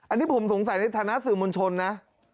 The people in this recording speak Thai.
อันนี้ผมสงสัยในฐานะสื่อมวลชนนะ